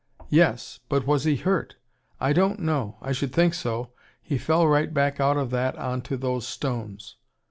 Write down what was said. "Yes. But was he HURT ?" "I don't know. I should think so. He fell right back out of that on to those stones!"